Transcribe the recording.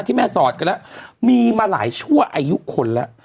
แม่สอดกันแล้วมีมาหลายชั่วอายุคนแล้ว